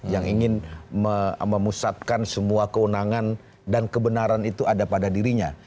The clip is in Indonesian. yang ingin memusatkan semua keunangan dan kebenaran itu ada pada dirinya